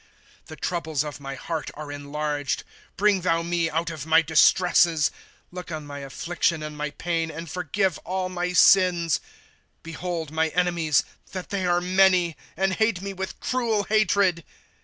^'' The troubles of my heart are enlarged ; Bring thou me out of my distresses. '^ Look on my affliction and my pain ; And forgive all mj sins. ^' Behold my enemies, that they are many, And bate me with cruel hatred.